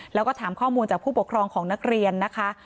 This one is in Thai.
แล้วก็ถามข้อมูลจากผู้ปกครองของนักเรียนนะคะ